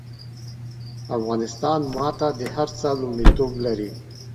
افغانستان ماته د هر څه لومړيتوب لري